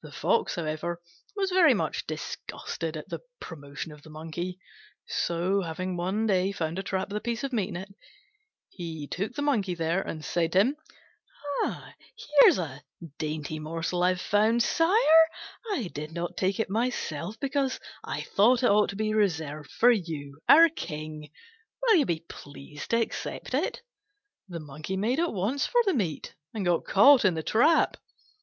The Fox, however, was very much disgusted at the promotion of the Monkey: so having one day found a trap with a piece of meat in it, he took the Monkey there and said to him, "Here is a dainty morsel I have found, sire; I did not take it myself, because I thought it ought to be reserved for you, our King. Will you be pleased to accept it?" The Monkey made at once for the meat and got caught in the trap.